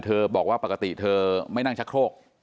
บอกว่าปกติเธอไม่นั่งชักโครก